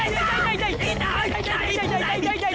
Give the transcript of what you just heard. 痛っ痛い！